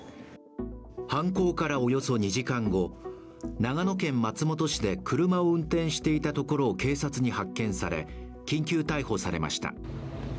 犯行からおよそ２時間後、長野県松本市で車を運転していたところを警察に発見され、緊急逮捕されました。